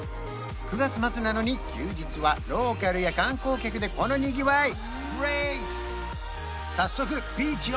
９月末なのに休日はローカルや観光客でこのにぎわいグレート！